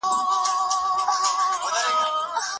د علت پېژندل سياسي تحليل ته هم ګټه رسوي.